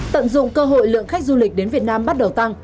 tận dụng cơ hội lượng khách du lịch đến việt nam bắt đầu tăng